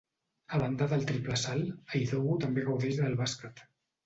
A banda del triple salt, Idowu també gaudeix del bàsquet.